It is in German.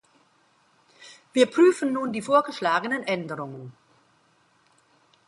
Wir prüfen nun die vorgeschlagenen Änderungen.